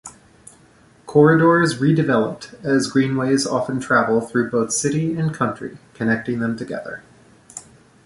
Corridors redeveloped as greenways often travel through both city and country, connecting them together.